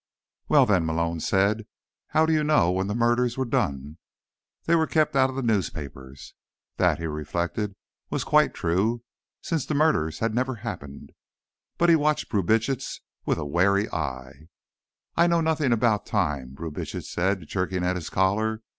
"Well, then," Malone said, "how do you know when the murders were done? They were kept out of the newspapers." That, he reflected, was quite true, since the murders had never happened. But he watched Brubitsch with a wary eye. "I know nothing about time," Brubitsch said, jerking at his collar.